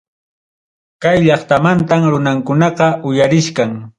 Kay llaqtamantam runankunaqa uyarichkan.